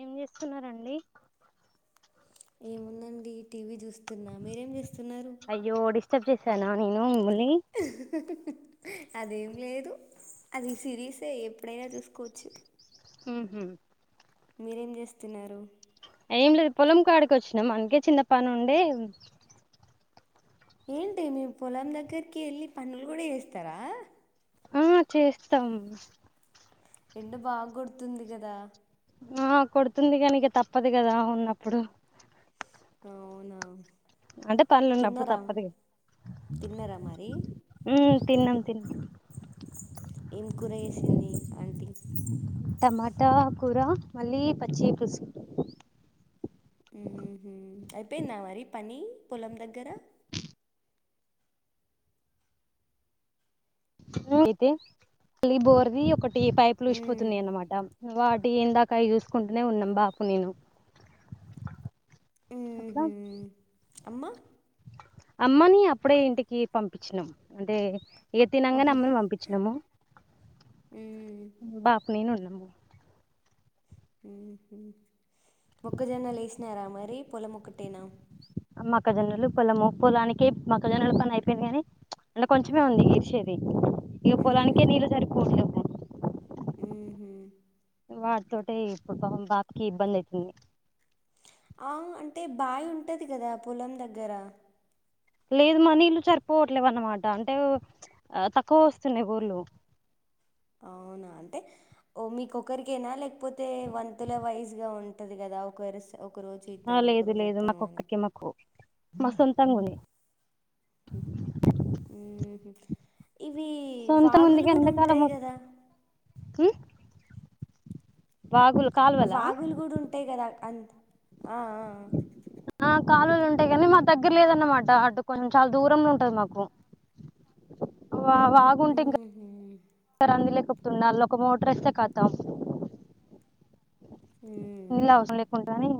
ఏం చేస్తున్నారండి ఏముందండి టీవీ చూస్తున్నా మీరేం చేస్తున్నారు సాన నేను అదేం లేదు అది సిరీసే ఎప్పుడైనా చూసుకోవచ్చు మ్ హుమ్ మీరేం చేస్తున్నారు ఏం లేదు పొలం కాడికి వచ్చినాం అందుకే చిన్న పని ఉండే ఏంటి మీ పొలం దగ్గరికి వెళ్ళి పనులు కూడా చేస్తారా ఆ చేస్తాము ఎండ బాగ కొడుతుంది కదా ఆ కొడుతుంది కానీక తప్పదు కదా ఉన్నప్పుడు అవునా అంటే పనులున్నప్పుడు తిన్నారా తప్పదింక. తిన్నారా మరి మ్ తినం తినం ఏం కూర వేసింది ఆంటీ టమాటా కూర మళ్ళీ పచ్చీ పులుసు అయిపోయింద మరి పని పొలం దగ్గర అయితే మల్లీ బోర్ది ఒకటి పైపులు మ్మ్. వూసిపోతున్నాయి అనమాట వా ఏందాకా అవయి చూసుకుంటూనే ఉన్నాం బాపు నేను ఎట్ల మ్మ్హ్మ్. అమ్మ అమ్మని అప్పుడే ఇంటికి పంపించినం అంటే ఏ తినంగానే ఓహో అమ్మ ని పంపించినాము మ్మ్. బాపు నేను ఉన్నాం గు మొక్కజన్న లేేసినారా మరి పొలముమొక్కటేనా మొక్కజొన్నలు పొలము పొలానికి మొక్కజొన్నలు పని అయిపోయింది కాగాని అంటే కొంచెమే ఉంది ఇరిచేది ఇక పొలానికి నీళ్లు సరిపోవట్లేదు మ్.. హుమ్ వాటితోటే ఇప్పుడు పాపం బాపుకి ఇబ్బంది అయితుంది అ అంటే బావి ఉంటది కదా పొలం దగ్గర లేదు మనీళ్లు సరిపోవట్లేవ అన్నమాట అంటే తక్కువ వస్తున్నాయి బోర్లు అవునా అంటే ఓ మీకొరికేనా లేక పోతే వంతుల వైజ్ గా ఉంట ప [unintelligible] ఆ లేదు లేదు మాకు ఒక్కకి మాకు మా సొంతంగుంది ఉహు సొంత ముందిగా ఉంటాయి ఎండాకాలము గదా! ఉ కాలువల వాగులు కూడా ఉంటాయి కదా అంత ఆ ఆ ఆ కాలువలు ఉంటాయి కానీ మా దగ్గర లేదన్నమాట అటు కొంచెం చాలా దూరంగా ఉంటది మాకు వా వాగుంటే ఇంకా హుహు. అందులేకపో తున్నా లో ఒక మోటర్ ఏస్తే కతం హ్మ్. నీలావసరం లేకు కానీ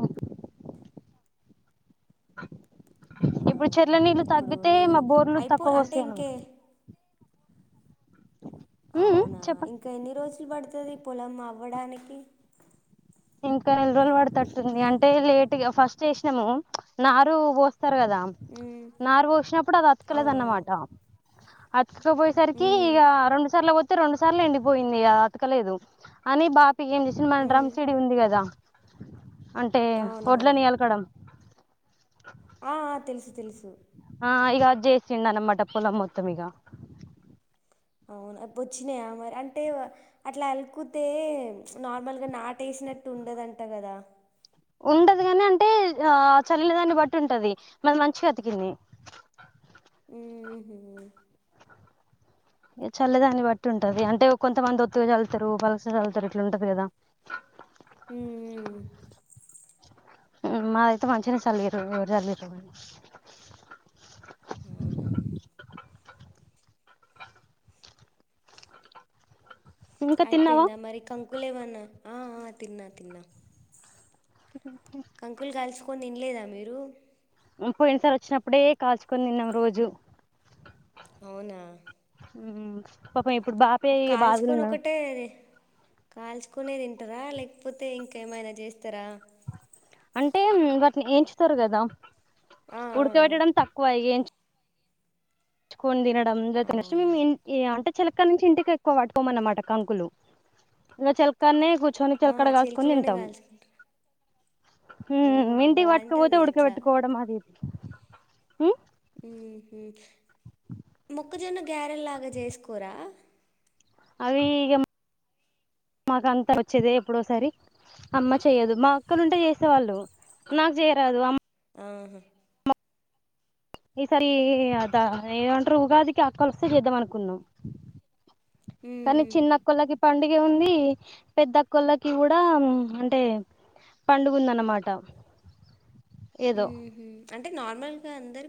ఇప్పుడు అవునా! చెర్ల నీళ్లు ఇప్పుడు తగ్గితే మా నీళ్ళు బోర్లు అయిపో తక్కువ అంటే వస్తాయనమాట ఇంకే అవునా చెప్పండి ఇంకా ఎన్ని రోజులు పడుతది పొలం అవ్వడానికి ఇంకా నెల రోజులు పడుతట్టుంది అంటే లేట్గా ఫస్ట్ ఏసినాము నారు పో స్తారు కదా ఉమ్ నారు పోసినప్పుడు అది అవునవును అతకలేదన్నమాట కుపోయేసరికి ఉమ్ ఇగ రెండు సార్లు రెండు సార్లు ఎండిపోయింది అతకలేదు అని బా ఏం చేసిన మన్ డ్రం ఉమ్ చెడి ఉంది కదా అంటే అవునవును ఒడ్లని అలకడం ఆ ఆ తెలుసు తెలుసు ఆ ఇగ అజ్జేస్తిడానమ్మట పొలం మొత్తమిగ అవును అప్ వచ్చినాయా మరి అంటే అట్లా అల్కుతే నార్మల్గా నాటు ఏసినట్టు ఉండదంట కదా ఉండదు కాని అంటే ఆ చల్లే దాన్ని బట్టి ఉంటది మది మంచిగా బతికింది ఉహు చల్లేదాన్ని బట్టి ఉంటది అంటే కొంతమంది ఒత్తుగా చల్లుతారు పలస చల్లుతారు ఇట్లాంటది కదా ఉ ఉ ఉ మాదయితే మంచి చల్లిరు ఎవరు చల్లిరు అవునా ఇంకా తిన్నావా అయిపోయింద మరి కం ఒకులేవన్న ఆ తిన్నా తిన్నా కంకుల్ కాల్చు కోన్ తినలేదా మీరు పోయిన సారి వచ్చినప్పుడే కాల్చుకొని తిన్నాం రోజు అవునా హ్మ్మ్ ఒక కాల్చుకొని ఒకటే కాల్చుకొని అంటార లేకపోతే ఇంకా ఏమైనా జేస్తారా అంటే వాటిని ఎంచుతారు కదా ఆ ఆ ఉడక వేట్టడం తక్కువ ఇగ ఏంచూ కోన్ దిన ఆ అవునా [unintelligible] ఇగ అంటే చెలక నుంచి ఇంటికి ఎక్కువ పట్టుకోమన్నమాట కంకులు ఇగ చెలకలనే కుచ్ కూర్చొనికి ఆ అక్కడ కాసుకొని చిలుకలోనే తింటాం కాల్చుకుంటారు హ్మ్మ్ ఓహ్ ఇంటికీ పట్టుకపోతే బాగుంటది ఉడక అట్లా పెట్టుకోవడం అదిది హ్మ్మ్ హ్మ్మ్ మొక్కజొన్న గ్యారెల్లాగా చేసుకోరా అవి ఇగ మాకు అంతా నచ్చదు ఎప్పుడో ఒకసారి అమ్మ చెయదు మా ఎక్కరుంటే చేసేవాళ్ళు నాకు చేయరాదు అమ్మ ఆహా ఈసారి అత ఏమంటారు ఉగాదికి అక్కలోస్తే చేద్దాం అనుకున్నాం కానీ ఉమ్ చిన్నకోల్లకి పండి ఏం ఉంది పెద్దకోల్లకి కూడా అంటే పండుగుందన్న మాట. హ్మ్మ్ అంటే నార్మల్గా అందరు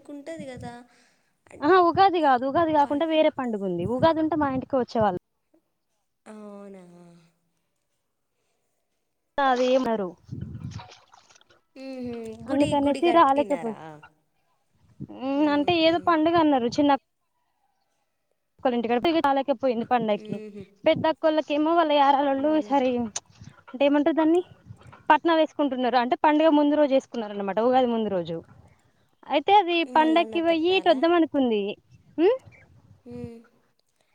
ఆ ఉగాది కాదు ఉగాది పన్ కాకుండా వేరే పండుగ ఉంది ఊగాది ఉంటే మా ఇంటికి వచ్చేవాళ్ళు అవునా అదే మరు హ్మ్మ్ గుడి గుడి కట్టినారా హ్మ్మ్ అంటే ఉహు ఏదో పండుగన్నారు చిన్న డు ఇంటికాడ [unintelligible] పోయింది పండకి ఉహు పెద్దక్కోలా కేమో వాల్ యారాలోలు ఉహు సరి అంటే ఏమంటారు దాన్ని పట్నాలు వేసుకుంటున్నారు అంటే పండుగ ముందు రోజు వేసుకున్నారు అనమాట ఉగాది ముందు రోజు. అయితే అది మల్లన్న పండక్కి పోయి ఇటు పట్నాలా వద్దాం అనుకుంది హ్మ్మ్ ఏ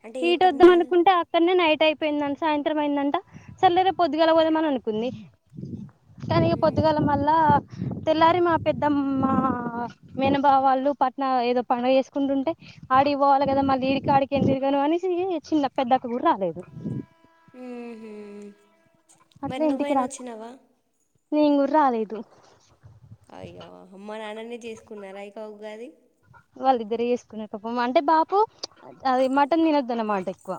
అంటే ఈట్ వద్దాం పట్నాలు అనుకుంటే అక్కనే నైట్ అయిపోయింద సాయంత్రం అయిందంట సర్లే రేపు పొద్దుగాల పోదామని అనుకుంది. కానీ ఇగా మ్మ్. పొద్దుగాల మళ్ళ తెల్లారి మా పెద్ద మా మేనబావ వాళ్ళు పట్న ఏదో పండగ చేేసుకుంటుంటే ఆడికి పోవాలి కదా మళ్ళీ ఈడికాడికి ఎంతిరుగ ను అనేసి చిన్న పెద్దక్క కూడా రాలేదు. ఉమ్ హూ మరి అట్లా ఇంటికి నువ్వైన రాకు వచ్చినావా నేను కూడ రాలేదు. నే చేసుకున్నారా ఇక ఉగాది. వాళ్ళిద్దరే చేసుకున్నారు పాపం అంటే బాపు అది మటన్ తినొద్దు అన్నమాట ఎక్కువ.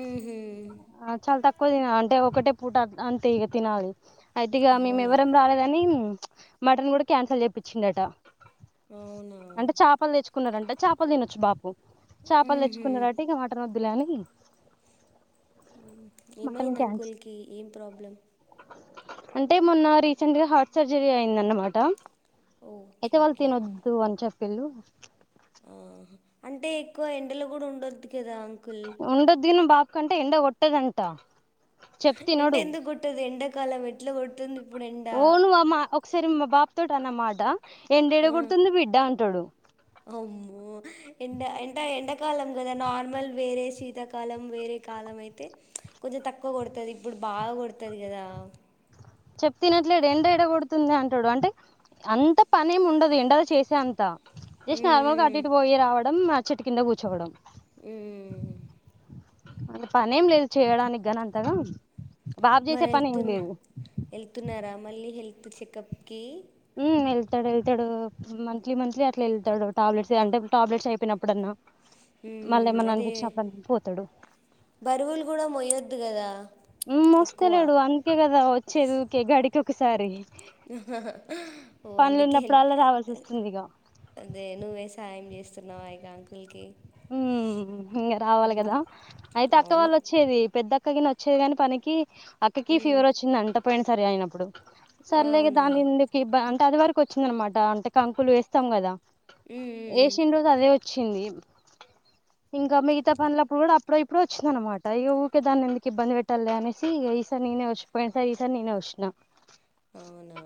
మ్మ్హూ. ఆ చాల తక్ కువ తిన అంటే ఒకటే పూట అంతే ఇగ తినాలి. అయితే ఇగ మేము అవునా ఎవ్వరెం రాలేదని మటన్ కూడా క్యాన్సల్ చేపిచిండు అట అవునా అంటే చాపలు తెచ్చుకున్నారంట చాపలు తినొచ్చు బాపు. చాపలు మ్మ్హూ. తెచ్చుకున్నారట ఇక మటన్ వద్దులే అని. ఉమ్ మటన్ ఏమైంది క్యాన్సల్ అంకుల్కి ఏం ప్రాబ్లం. అంటే మొన్న రీసెంట్ గా హార్ట్ సర్జరీ అయిందన్నమాట. ఓకే అయితే వాళ్లు ఓకే తినొద్దు అన్ చెప్ పెల్లు ఆహా అంటే ఎక్కువ ఎండలో కూడా ఉండొదు. కదా అంకుల్ ఉండొద్దు బాపు కంటే ఎండ కొట్టదంటా ఎండ ఎందుకొట్టదు ఎండక్ కలవెడ్ ఓ నువ్ అ మా ఒక్కసారి మా బాప్ తోటి అన్నమాట ఎండేడ ఆ. కొడుతుంది బిడ్డ అంటడు. అమ్మో ఎండ ఎంట ఎండాకాలం కదా నార్మల్ వేరే, శీతాకాలం వేరే కాలం అయితే కొంచెం తక్కువ కొడుతది ఇప్పుడు బాగా కొడుతది కదా. చెప్తే ఇనట్లేడు ఎండ ఏడ కొడుతుంది అంటడు అంటే అంత పనేమి ఉండదు ఎండల చేసే అంత జస్ట్ నార్మల్గా అటు మ్మ్ ఇటు పోయి రావడం మ చెట్టు కింద కూర్చోవడం. ఉమ్ అంటే పనే ఏం లేదు చేయడానికి గానీ అంతగా బాబు మరి చేసే పని ఏం వెళ్తున్న లేదు వెళ్తున్నారా మళ్ళీ హెల్త్ చెకప్ కి హ్మ్మ్ వెళ్తాడు వెళ్తాడు మంత్లీ మంత్లీ అట్లా వెళ్తాడు టాబ్లెట్స్ అంటే టాబ్లెట్స్ అయిపోయినప్పుడన్నా మళ్ళీ ఉమ్ ఏమన్నా అదే అనిపించినప్పుడన్నా పోతాడు బరువులు కూడా మోయద్ దు కదా ఉ ఎక్కువ మోస్తలేడు అందకే కదా వచ్చేది గడికి ఒక్కసారి ఆహహ పనులు ఉన్నప్పుడు అళ్ళ రావాల్సి వస్తుంది ఇగ అసలు ఇంకా అంకుల్కి ఉమ్ ఇంకా రావాలి కదా అయితే అక్క అవును వాళ్ళు వచ్చేది పెద్ద అక్కకి నచ్చేది గాని పనికి అక్కకి మ్మ్ ఫీవర్ వచ్చింది అంట పోయిన సరే అయినప్పుడు సర్లే ఇగ అవునా దానిందుకి ఇబ్బాద్ టాది వరకు వచ్చిందనమాట అంటే కంకులు వేస్తాం కదా మ్మ్ మ్మ్ వేసిన రోజు అదే వచ్చింది ఇంకా మిగతా పనులకు అప్పుడో ఇప్పుడో వచ్చినా అనమాట ఇక ఊకే దాన్ని ఎందుకు ఇబ్బంది పెట్టాలి అనేసి ఈసారి నేనే వచ్చ పోయిన సర ఈసారి నేనే వచ్చినా అవునా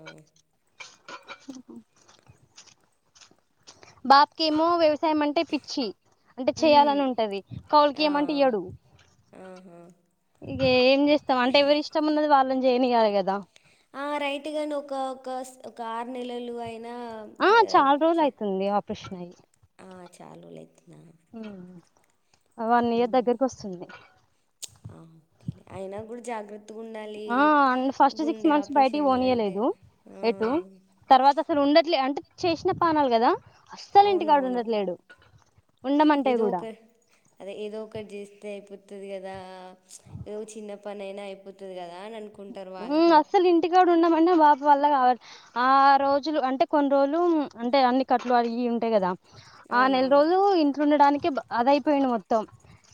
బక్కేమో వ్యవ సాయం అంటే పిచ్చి అంటే ఉమ్ చెయాలని ఉంటది కవులకి ఆ ఇయ్యమంటే ఇయ్యాడు ఆహా ఇగ ఏం చేస్తాం అంటే ఎవరి ఇష్టం ఉన్నది వాళ్ళని చేయనియ్యాలి గాదా ఆ రైతు గాని ఒక ఒక ఒక ఆరు నెలలు అయినా నా [unintelligible] ప్రశ్నయిస్ ఆ చాలులైతున్నా ఉమ్ వన్ ఇయర్ దగ్గరకి వస్తుంది ఆ ఓకే అయినా కూడా జాగ్రత్త ఆ ఫస్ట్ సిక్స్ మంత్స్ బయటకి ఆపరేషన్లు అంటే ఓనియ్యలేదు ఆ ఎటు తర్వాత అసలు ఉండట్లేదు అంటే చేసిన పానాలు కదా అసలు ఇంటికాడా అవునవును ఉండట్లేడు ఉండమంటే ఏదో కూడా అయిపోతుంది కదా ఏదో చిన్న పని అయినా అయిపోతుంది కదా కదా అని అనుకుంటారు వాళ్ళు కూడా అన్న వాపు వల్ల కావాలి ఆ రోజులు అంటే కొన్ని రోజులు అంటే అన్ని కట్లు అన్నీ ఉంటాయి కదా అవునవును అద అయిపోయినా మ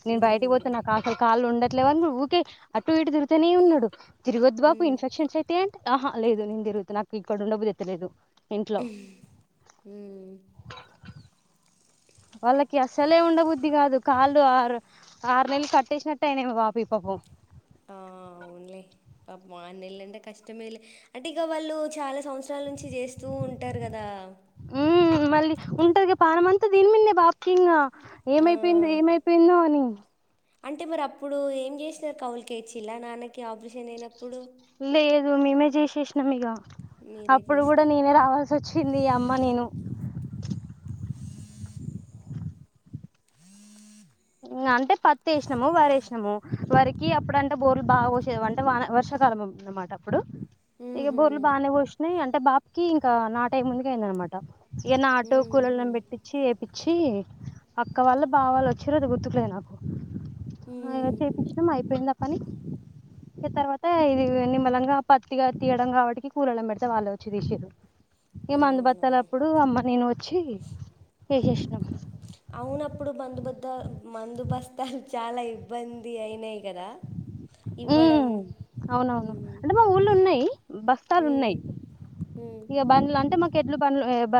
నేను బయటకి పోతే ఉమ్ నాకు అసలు కాళ్ళు ఉండ ఇట్లే ఊకే అటు ఇటు తిరుగుతనే ఉన్నాడు తిరువద్ బాబు ఉమ్ ఇన్ఫెక్షన్స్ అయితే ఆహా లేదు నేను తిరుగుతా నాకు ఇక్కడ ఉండబు తెెత్తలేదు హ వాళ్ళకి అస్సలే ఉండబుద్ధి కాదు కాళ్ళు ఆరు ఆరు నెలలు కట్టేసినట్ట అయినేమి పాప ఈ పాప ఆ అవునులే పా మాన్నళ్ళంటే కష్టమేలే అంటే ఇక వాళ్ళు చాలా సంవత్సరాల నుంచి చేస్తూ ఉంటారు కదా మ్మ్ మళ్ళీ ఉంటారు పాాలమంతా దీని మీన్నే బాప ముఖంగా ఆ! ఏమైపోయిందో ఏమైపోయిందో అని అంటే మరి అప్పుడు ఏం చేసినారు కవులుకచి ఇలా నాన్నకి ఆపరేషన్ అయిన లేదు మేమే చేస శేష్ణమిగా మీరే అప్పుడు కూడా చేసినారా? నేనే రావాల్సి వచ్చింది అమ్మ నేను అంటే పత్ వేసినాము వరేసినాము వరికి అప్పుడంటే బోర్లు బాగా వసే అంటేన వర్షాకాలంది అన్నమాట అప్పుడు ఇక హుహు. బోర్లు బానేఘోషణి అంటే బాపు ఇంకా నా టైమ్ ముందుక అయింద అనమాట ఏన్న ఆటో హుహు. కూలలను పెట్టించి వేపిచ్చి అక్క వాళ్ళు బావాల వచ్చ వచ్చషర ద గుర్తుకులే జకు న చేయి హుహు. ఇష్టం అయిపోయింద కాని తర్వాత ఇది నిమ్మలంగా పత్తిగా తీయడం కాబట్టికి కూరళ పెడితే వాళ్ళు వచ్చిదిసిరు ఇం మంద అవునా! బతల అప్పుడు అమ్మ నను వచ్చ ఇచ్చి ఎసేసినాము అవున ఆప్పుడు మందుబద్ద మందుబస్తాలు చాలా ఇబ్బంది అయినాయి కదా ఉ అవునవును హ్మ్. అంటే మా ఊర్లో ఉన్నాయి బస్తాలు హ్మ్. ఉన్నాయి హ్మ్. ఇక బండ్లు అంటే మాక్ ఎడ్ల బండ్లో ఏ బ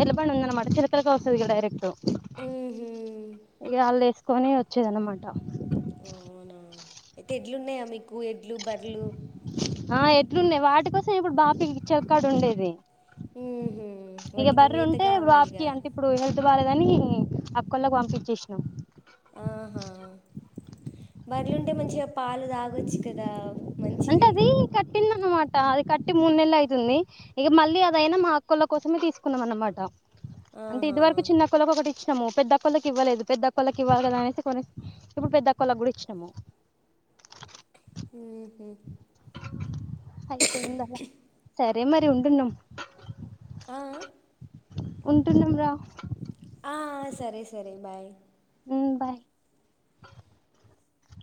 ఎడ్ల బండి ఉందన్నమాట చిలకలతో వస్తది కదా డైరెక్ట్ హుహు. ఇక వాళ్ళు వేసుకొని వచ్చేది అన్నమాట అవునా అయితే ఎడ్లు ఉన్నాయా మీకు ఎడ్లు బర్లు ఆ ఎడ్లున్నాయి వాటి కోసం ఇప్పుడు బాపకి ఇచ్చేకాడ ఉండేది ఊహు ఇక వాటికి బర్రె మేత ఉంటే బాబకి కావాలిగా అంటే ఇప్పుడు ఏ అచ్చు బాలేదని అక్కోలకి పంపించేసినం ఆహా బర్లు ఉంటే మంచిగా పాలు తాగొచ్చు కద్ అ మంచివి అన్మాట అది కట్టి మూడు నెల్లైతుంది ఇగ మళ్ళీ అదైనా మా అక్కొల్ల కోసమే తీస్కుంన్నాం అన్మాట అంటే ఆహా ఇది వరకు చిన్నక్కొలకు ఒకటిచ్ నము పెద్ద కొళ్ళకి ఇవ్వలేదు పెద్ద కొళ్ళకి ఇవ్వాలి గదా అనేసి కొనేస్ ఇప్పుడు పెద్ద కొళ్ళకి గుడా ఇచ్చినాము ఆతే ఇంద సర్ రే మరి ఉంటున్నం ఆ ఉంటున్నం రా ఆ సరే సరే బాయ్ ఉమ్ బాయ్ [inaudible]